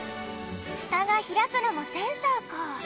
ふたがひらくのもセンサーか。